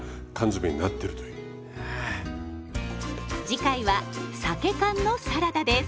次回はさけ缶のサラダです。